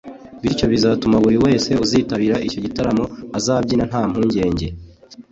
bityo bizatuma buri wese uzitabira icyo gitaramo azabyina nta mpungenge